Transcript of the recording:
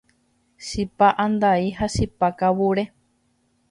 Chipa andai ha chipa kavure